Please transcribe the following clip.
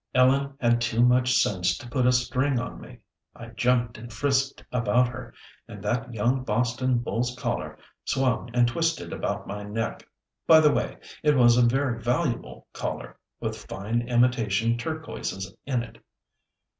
Ellen had too much sense to put a string on me. I jumped and frisked about her, and that young Boston bull's collar swung and twisted about my neck. By the way, it was a very valuable collar, with fine imitation turquoises in it.